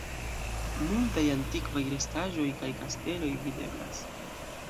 Multaj antikvaj restaĵoj kaj kasteloj videblas.